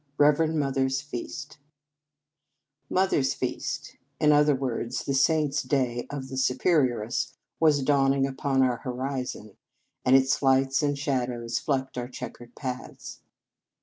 Reverend Mother s Feast MOTHER S feast "in other words the saint s day of the Superioress was dawning upon our horizon, and its lights and shadows flecked our checkered paths.